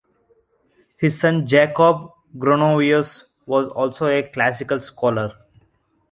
His son Jakob Gronovius was also a classical scholar.